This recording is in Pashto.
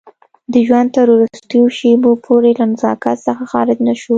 د ژوند تر وروستیو شېبو پورې له نزاکت څخه خارج نه شو.